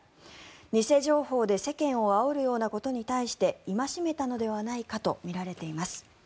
偽情報で世間をあおるようなことに対して戒めたのではないかとみられています。